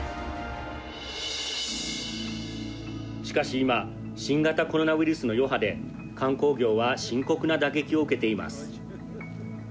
しかし今新型コロナウイルスの余波で観光業は深刻な打撃を受けています。